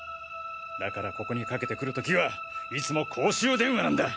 だからここにかけてくる時はいつも公衆電話なんだ。